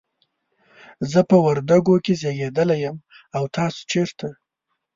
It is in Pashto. زه په وردګو کې زیږیدلی یم، او تاسو چیرته؟